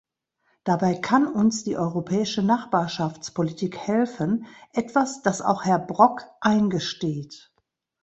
Dabei kann uns die Europäische Nachbarschaftspolitik helfen, etwas, das auch Herr Brok eingesteht.